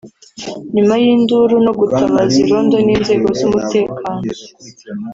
nyuma y’induru no gutabaza irondo n’inzego z’umutekano